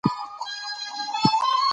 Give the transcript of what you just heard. يــوه ورورپوښـتـنــه کــړېــوه.؟